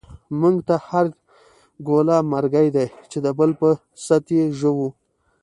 مونږ ته هر گوله مرگۍ دۍ، چی دبل په ست یی ژوو